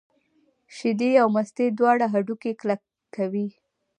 شیدې او مستې دواړه هډوکي کلک کوي.